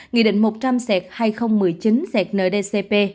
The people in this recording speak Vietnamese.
nghị định một trăm linh hai nghìn một mươi chín cndcp